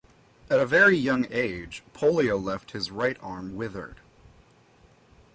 At a very young age, polio left his right arm withered.